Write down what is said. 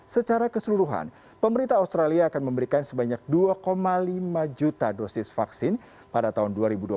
secara keseluruhan pemerintah australia akan memberikan sebanyak dua lima juta dosis vaksin pada tahun dua ribu dua puluh satu